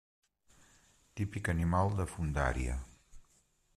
Típic animal de fondària.